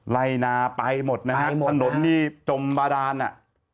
ไล่นาไปหมดนะฮะถนนนี่จมบาดานอ่ะ